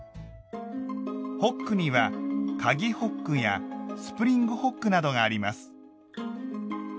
「ホック」には「かぎホック」や「スプリングホック」などがあります。